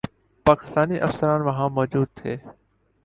تو پاکستانی افسران وہاں موجود تھے۔